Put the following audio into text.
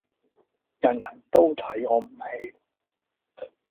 人人都睇我唔起